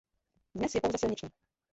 Dnes je pouze silniční.